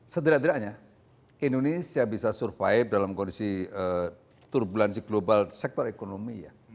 sederah derahnya indonesia bisa survive dalam kondisi turbulansi global sektor ekonomi